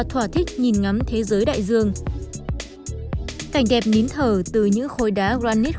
thỏa thích nhìn ngắm thế giới đại dương cảnh đẹp nín thở từ những khối đá granite